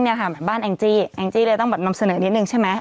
เหมือนบ้านแองจี้แองจี้เลยต้องแบบนำเสนอนิดนึงใช่ไหม